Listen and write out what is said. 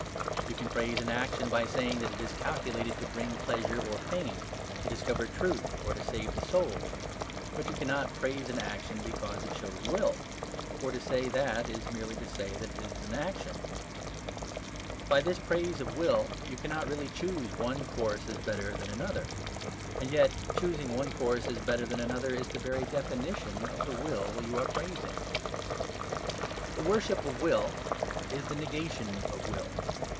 You can praise an action by saying that it is calculated to bring pleasure or pain to discover truth or to save the soul. But you cannot praise an action because it shows will; for to say that is merely to say that it is an action. By this praise of will you cannot really choose one course as better than another. And yet choosing one course as better than another is the very definition of the will you are praising. The worship of will is the negation of will.